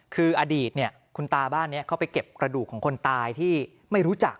คืออดีตคุณตาบ้านนี้เขาไปเก็บกระดูกของคนตายที่ไม่รู้จัก